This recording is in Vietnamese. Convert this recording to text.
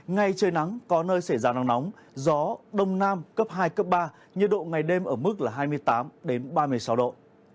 ngay trời nắng có nơi sẽ rào nắng nóng gió đông nam cấp hai ba nhiệt độ ngày đêm ở mức là hai mươi tám ba mươi sáu độ